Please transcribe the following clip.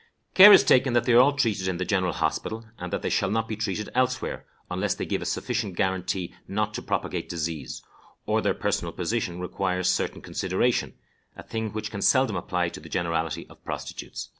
"Care is taken that they are all treated in the general hospital, and that they shall not be treated elsewhere, unless they give a sufficient guarantee not to propagate disease, or their personal position requires certain consideration, a thing which can seldom apply to the generality of prostitutes."